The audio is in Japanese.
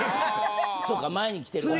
そうか前に来てるから。